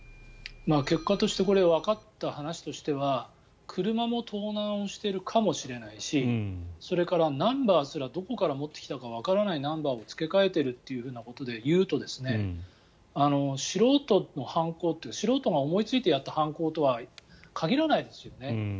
結果としてわかった話としては車も盗難をしているかもしれないしそれから、ナンバーすらどこから持ってきたかわからないナンバーを付け替えているということでいうと素人の犯行素人が思いついてやった犯行とは限らないですよね。